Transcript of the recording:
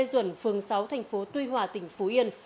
lê duẩn phường sáu thành phố tuy hòa tỉnh phú yên